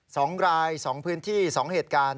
สองรายสองพื้นที่สองเหตุการณ์